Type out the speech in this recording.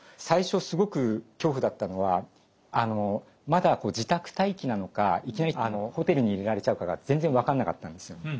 最初すごく恐怖だったのはまだ自宅待機なのかいきなりホテルに入れられちゃうかが全然分かんなかったんですよ。